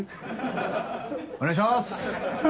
お願いします